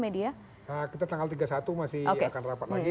kita tanggal tiga puluh satu masih akan rapat lagi